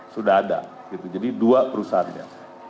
sudah ada jadi dua perusahaannya